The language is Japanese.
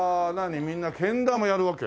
みんなけん玉やるわけ？